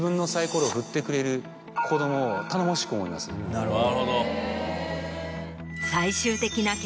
なるほど。